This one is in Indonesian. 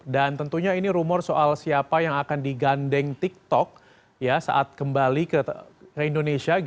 dan tentunya ini rumor soal siapa yang akan digandeng tiktok saat kembali ke indonesia